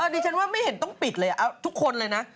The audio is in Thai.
ดิฉันว่าไม่เห็นต้องปิดเลยทุกคนเลยนะ